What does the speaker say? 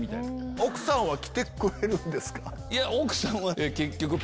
奥さんは来てくれるんですか？